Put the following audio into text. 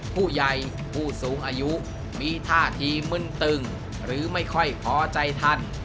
ผู้สูงอายุมีท่าทีมึนตึงหรือไม่ค่อยพอใจท่าน